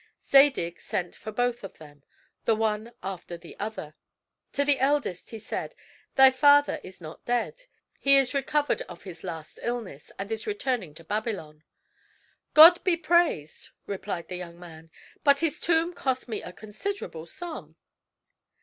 Zadig sent for both of them, the one after the other. To the eldest he said: "Thy father is not dead; he is recovered of his last illness, and is returning to Babylon," "God be praised," replied the young man; "but his tomb cost me a considerable sum."